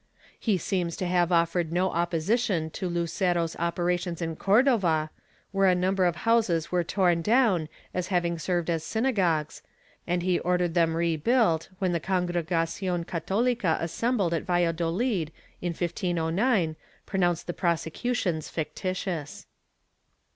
* He seems to have offered no opposition to Lucero's operations in C6rdova, where a number of houses were torn down as having served as synagogues, and he ordered them rebuilt when the Congregacion Catolica assembled at Val ladoUd, in 1509, pronounced the prosecutions fictitious.